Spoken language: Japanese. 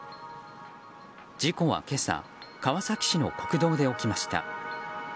事故は今朝川崎市の国道で起きました。